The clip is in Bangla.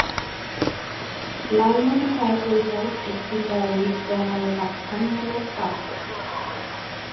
লালমোতি সয়ফুল্মূল্ক একটি মৌলিক প্রণয়োপাখ্যানমূলক কাব্য।